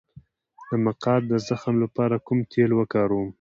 د مقعد د زخم لپاره کوم تېل وکاروم؟